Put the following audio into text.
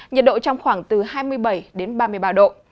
nhiệt độ trong khoảng từ hai mươi bảy đến ba mươi ba độ